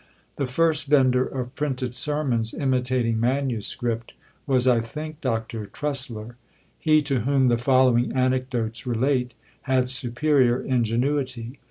The first vender of printed sermons imitating manuscript, was, I think, Dr. Trusler. He to whom the following anecdotes relate had superior ingenuity.